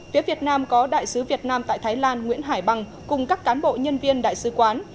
phía việt nam có đại sứ việt nam tại thái lan nguyễn hải bằng cùng các cán bộ nhân viên đại sứ quán